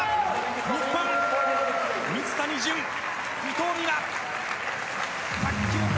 日本、水谷隼、伊藤美誠卓球界